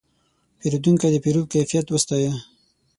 پیرودونکی د پیرود کیفیت وستایه.